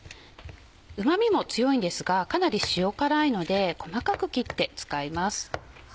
うま味も強いんですがかなり塩辛いので細かく切って使います。